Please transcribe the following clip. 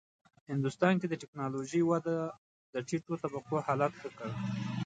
هندوستان کې د ټېکنالوژۍ وده د ټیټو طبقو حالت ښه کړ.